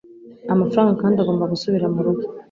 amafaranga kandi agomba gusubira murugo